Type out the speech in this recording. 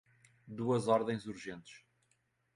Duas ordens urgentes